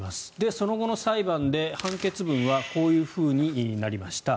その後の裁判で、判決文はこういうふうになりました。